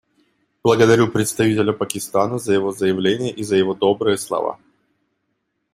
Благодарю представителя Пакистана за его заявление и за его добрые слова.